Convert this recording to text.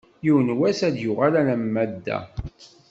Yiwen n wass ad d-yuɣal alamma d da.